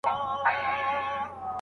شاګرد خپله مسوده په دقت سره لولي.